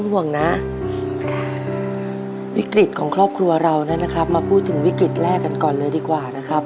ห่วงนะวิกฤตของครอบครัวเรานะครับมาพูดถึงวิกฤตแรกกันก่อนเลยดีกว่านะครับ